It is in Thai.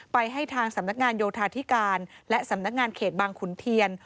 ให้ทางสำนักงานโยธาธิการและสำนักงานเขตบางขุนเทียน